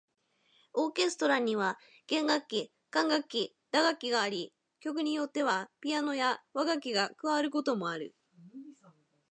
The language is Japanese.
オーケストラには弦楽器、管楽器、打楽器があり、曲によってはピアノや和楽器が加わることもある。